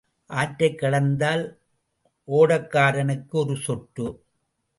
ஆற்றைக் கடந்தால் ஓடக்காரனுக்கு ஒரு சொட்டு.